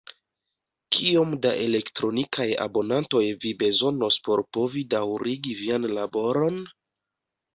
Kiom da elektronikaj abonantoj vi bezonos por povi daŭrigi vian laboron?